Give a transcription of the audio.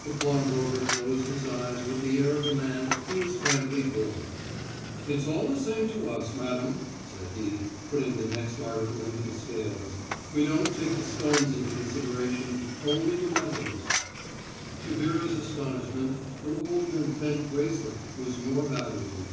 The pawnbroker closed his eyes with the air of a man who is frankly bored. "It's all the same to us, madam," said he, putting the next article into the scales. "We don't take the stones into consideration, only the metals." To Vera's astonishment, her old and bent bracelet was more valuable.